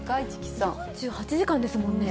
４８時間ですもんね。